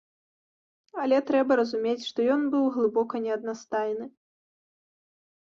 Але трэба разумець, што ён быў глыбока неаднастайны.